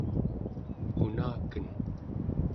unaken